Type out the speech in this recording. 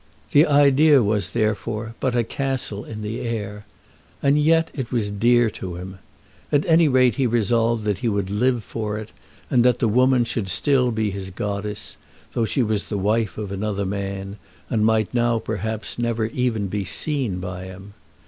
The idea was, therefore, but a castle in the air. And yet it was dear to him. At any rate he resolved that he would live for it, and that the woman should still be his goddess, though she was the wife of another man, and might now perhaps never even be seen by him.